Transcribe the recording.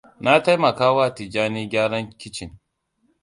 Na taimakawa Tijjani gyaran kicin.